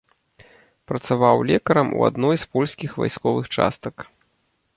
Працаваў лекарам у адной з польскіх вайсковых частак.